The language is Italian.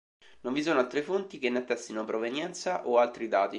Non vi sono altre fonti che ne attestino provenienza o altri dati.